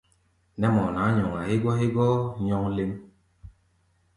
Nɛ́ mɔ nʼaá nyɔŋa hégɔ́ hégɔ́ nyɔ́ŋ léŋ.